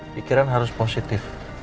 pikiran harus positif